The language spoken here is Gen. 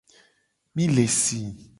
Mi le si.